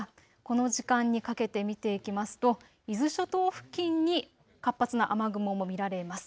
この時間にかけて見ていきますと伊豆諸島付近に活発な雨雲も見られます。